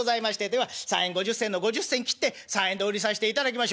では３円５０銭の５０銭切って３円でお売りさせていただきましょう」。